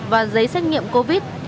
và giấy xét nghiệm covid